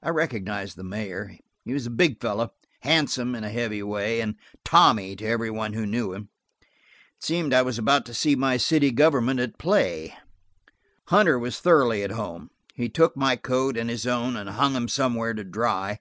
I recognized the mayor. He was a big fellow, handsome in a heavy way, and "Tommy" to every one who knew him. It seemed I was about to see my city government at play. Hunter was thoroughly at home. He took my coat and his own and hung them somewhere to dry.